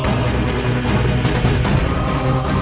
kita akan ke daya